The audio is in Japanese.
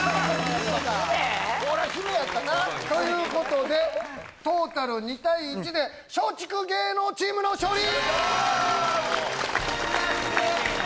これはヒメやったなということでトータル２対１で松竹芸能チームの勝利！